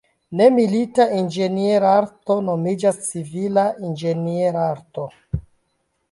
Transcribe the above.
Ne-milita inĝenierarto nomiĝas civila inĝenierarto.